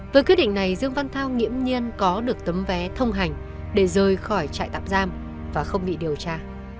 với quyết định này dương văn thao nghiễm nhiên có được tấm vé thông hành để rời khỏi trại tạm giam và không bị điều tra